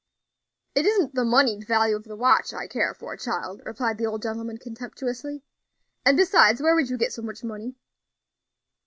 "It isn't the moneyed value of the watch I care for, child," replied the old gentleman, contemptuously; "and besides, where would you get so much money?"